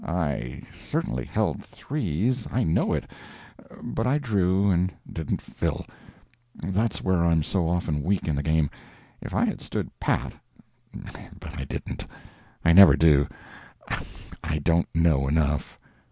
"I certainly held threes I know it but I drew and didn't fill. That's where I'm so often weak in the game. If I had stood pat but I didn't. I never do. I don't know enough."